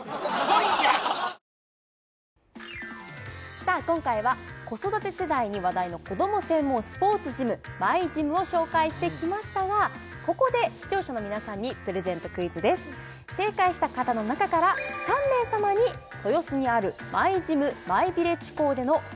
さあ今回は子育て世代に話題の子供専門スポーツジムＭｙＧｙｍを紹介してきましたがここで視聴者の皆さんにプレゼントクイズです正解した方の中から３名様に豊洲にあるＭｙＧｙｍ